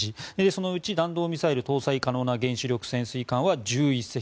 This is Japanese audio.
そのうち弾道ミサイル搭載可能な原子力潜水艦は１１隻。